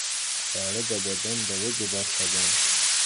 خواړه د بدن د ودې برخه ده.